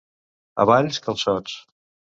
A Valls, calçots.